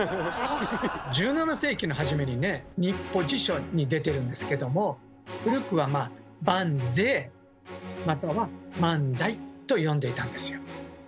１７世紀の初めにね「日葡辞書」に出てるんですけども古くは「バンゼイ」または「マンザイ」と読んでいたんですよ。